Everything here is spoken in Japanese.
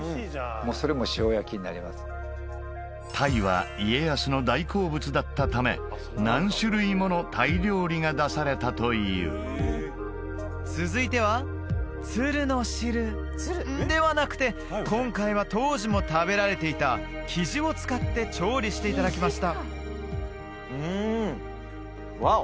もうそれも鯛は家康の大好物だったため何種類もの鯛料理が出されたという続いてはツルの汁ではなくて今回は当時も食べられていたキジを使って調理していただきましたうんワオ！